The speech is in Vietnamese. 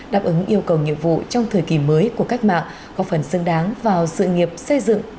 đáp ứng yêu cầu nhiệm vụ trong thời kỳ mới của cách mạng góp phần xứng đáng vào sự nghiệp xây dựng